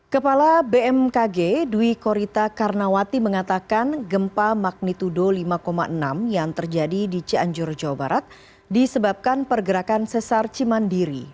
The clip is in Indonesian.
kepala bmkg dwi korita karnawati mengatakan gempa magnitudo lima enam yang terjadi di cianjur jawa barat disebabkan pergerakan sesar cimandiri